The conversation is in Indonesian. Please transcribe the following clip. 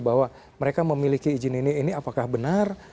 bahwa mereka memiliki izin ini ini apakah benar